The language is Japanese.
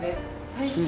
最初。